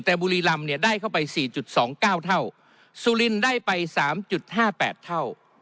แต่บุรีรำเนี่ยได้เข้าไปสี่จุดสองเก้าเท่าสุรินทร์ได้ไปสามจุดห้าแปดเท่า